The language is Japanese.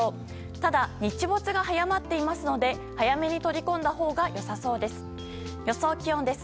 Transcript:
ただ、日没が早まっていますので早めに取り込んだほうが良さそうです。